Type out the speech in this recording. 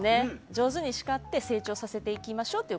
上手に叱って成長させていきましょうと。